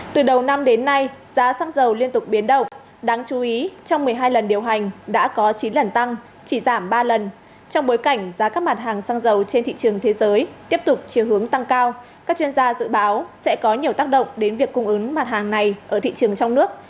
từ đầu năm đến nay giá xăng dầu liên tục biến động đáng chú ý trong một mươi hai lần điều hành đã có chín lần tăng chỉ giảm ba lần trong bối cảnh giá các mặt hàng xăng dầu trên thị trường thế giới tiếp tục chiều hướng tăng cao các chuyên gia dự báo sẽ có nhiều tác động đến việc cung ứng mặt hàng này ở thị trường trong nước